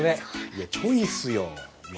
いやチョイスよお前。